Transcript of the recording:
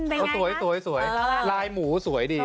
เขาสวยลายหมูสวยดี